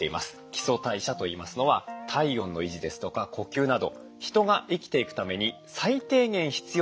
基礎代謝といいますのは体温の維持ですとか呼吸など人が生きていくために最低限必要なエネルギーのことです。